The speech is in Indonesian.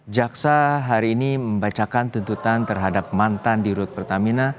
jaksa hari ini membacakan tuntutan terhadap mantan di rut pertamina